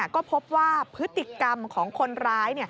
ก็พบว่าพฤติกรรมของคนร้าย